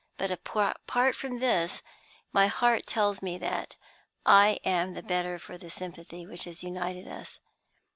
But, apart from this, my heart tells me that I am the better for the sympathy which has united us.